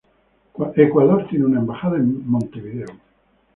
Ecuador tiene una embajada en Montevideo.